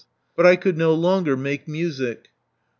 But I could no longer make music."